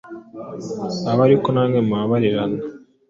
abe ari ko namwe mubabarirana.